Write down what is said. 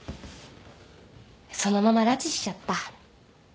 そのまま拉致しちゃった。